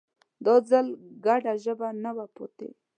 دا ځل ګډه ژبه نه وه پاتې